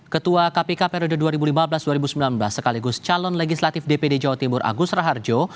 ketua kpk periode dua ribu lima belas dua ribu sembilan belas sekaligus calon legislatif dpd jawa timur agus raharjo